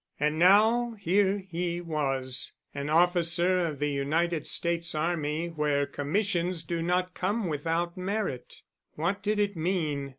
And now here he was—an officer of the United States Army where commissions do not come without merit. What did it mean?